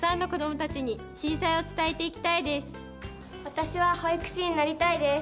私は保育士になりたいです。